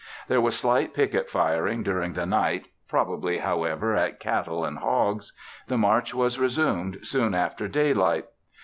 There was slight picket firing during the night, probably, however, at cattle and hogs. The march was resumed soon after daylight.